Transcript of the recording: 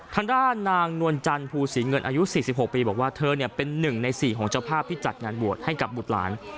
ทางด้านนางนวลจันทร์ภูศรีเงินอายุ๔๖ปีบอกว่าเธอเป็น๑ใน๔ของเจ้าภาพที่จัดงานบวชให้กับบุตรหลาน